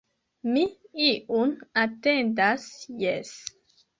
Mi iun atendas, jes!